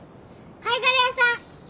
貝殻屋さん。